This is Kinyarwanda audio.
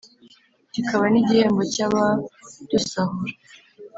kikaba n’igihembo cy’abadusahura.